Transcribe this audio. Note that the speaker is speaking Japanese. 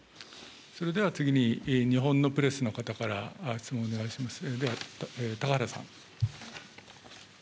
それでは次に日本のプレスの方から質問お願いします。